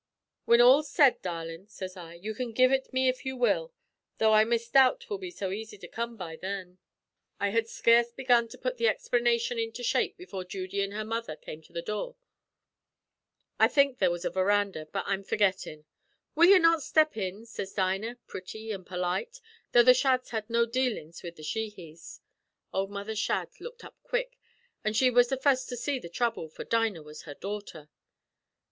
"'Whin all's said, darlin',' sez I, 'you can give ut me if you will, tho' I misdoubt 'twill be so easy to come by thin.' "I had scarce begun to put the explanation into shape before Judy an' her mother came to the door. I think there was a veranda, but I'm forgettin'. "'Will ye not step in?' sez Dinah, pretty and polite, though the Shadds had no dealin's with the Sheehys. Ould Mother Shadd looked up quick, an' she was the fust to see the throuble, for Dinah was her daughter.